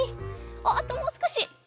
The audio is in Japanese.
あともうすこし！